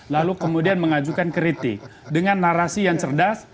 lalu kemudian mengajukan kritik dengan narasi yang cerdas